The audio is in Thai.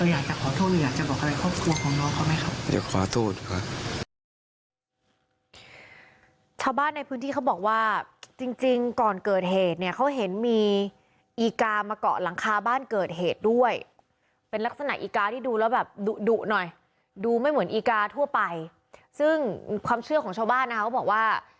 อยากขอโทษครอบครัว